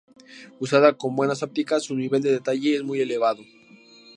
Usada con buenas ópticas, su nivel de detalle es muy elevado.